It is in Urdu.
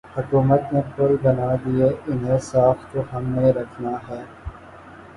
حکومت نے پل بنادیئے انہیں صاف تو ہم نے رکھنا ہے۔